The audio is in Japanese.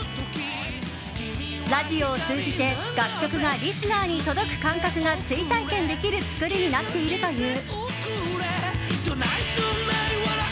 ラジオを通じて楽曲がリスナーに届く感覚が追体験できる作りになっているという。